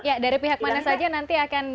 ya dari pihak mana saja nanti akan